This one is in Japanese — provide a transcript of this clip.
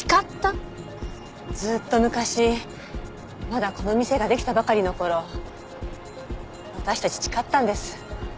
ずーっと昔まだこの店ができたばかりの頃私たち誓ったんです。